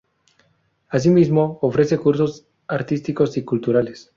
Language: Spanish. Asimismo, ofrece cursos artísticos y culturales.